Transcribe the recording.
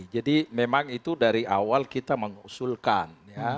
jadi memang itu dari awal kita mengusulkan